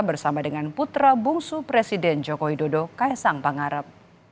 bersama dengan putra bungsu presiden joko widodo kaisang pangarep